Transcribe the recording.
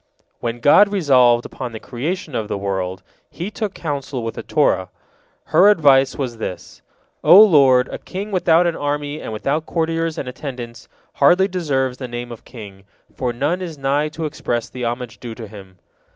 " When God resolved upon the creation of the world, He took counsel with the Torah. Her advice was this: "O Lord, a king without an army and without courtiers and attendants hardly deserves the name of king, for none is nigh to express the homage due to him."